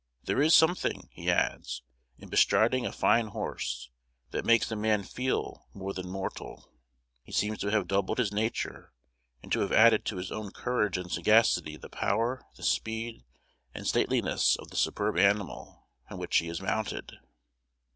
There is something," he adds, "in bestriding a fine horse, that makes a man feel more than mortal. He seems to have doubled his nature, and to have added to his own courage and sagacity the power, the speed, and stateliness of the superb animal on which he is mounted."